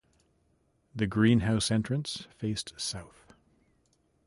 The greenhouse entrance faced south.